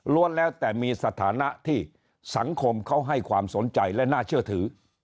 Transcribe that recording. แล้วแต่มีสถานะที่สังคมเขาให้ความสนใจและน่าเชื่อถือ